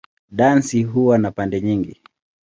Dansi huwa na pande nyingi.